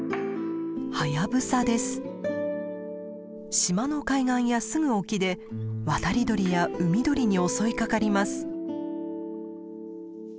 島の海岸やすぐ沖で渡り鳥や海鳥に襲いかかります。